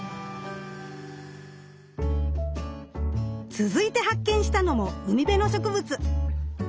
続いて発見したのも海辺の植物。